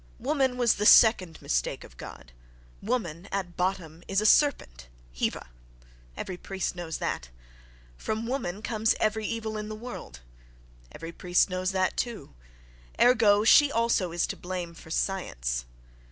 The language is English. Woman was the second mistake of God.—"Woman, at bottom, is a serpent, Heva"—every priest knows that; "from woman comes every evil in the world"—every priest knows that, too. Ergo, she is also to blame for science....